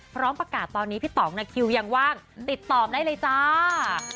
พร้อมประกาศตอนนี้พี่ต่องคิวยังว่างติดต่อได้เลยจ้า